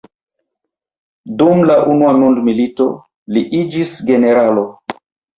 Dum la unua mondmilito li iĝis generalo.